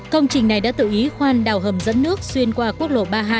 công trình này đã tự ý khoan đào hầm dẫn nước xuyên qua quốc lộ ba mươi hai